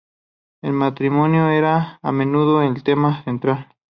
El matrimonio era, a menudo, el tema central.